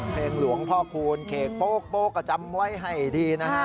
เพลงหลวงพ่อคูณเขกโป๊กก็จำไว้ให้ดีนะฮะ